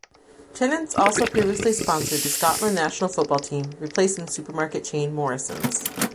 Tennent's also previously sponsored the Scotland national football team, replacing supermarket chain Morrisons.